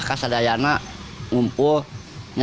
kalau ada orang yang tidak ada